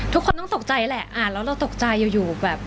ทุกคนต้องตกใจแหละอ่านแล้วเราตกใจอยู่แบบ